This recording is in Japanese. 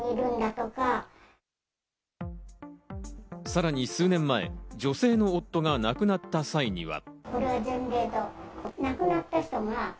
さらに数年前、女性の夫が亡くなった際には。